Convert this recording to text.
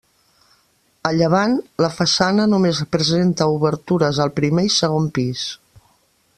A llevant la façana només presenta obertures al primer i segon pis.